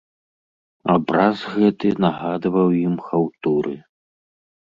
Абраз гэты нагадваў ім хаўтуры.